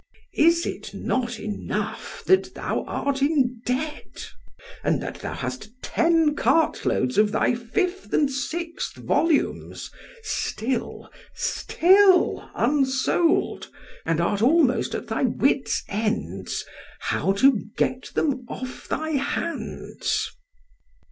Is it not enough that thou art in debt, and that thou hast ten cart loads of thy fifth and sixth volumes still—still unsold, and art almost at thy wit's ends, how to get them off thy hands?